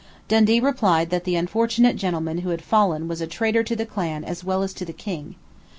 Dundee replied that the unfortunate gentleman who had fallen was a traitor to the clan as well as to the King.